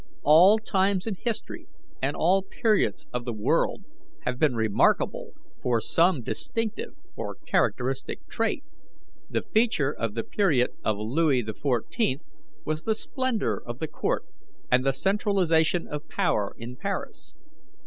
All times in history and all periods of the world have been remarkable for some distinctive or characteristic trait. The feature of the period of Louis XIV was the splendour of the court and the centralization of power in Paris.